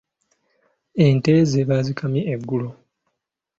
Ente ze baazikamye eggulo.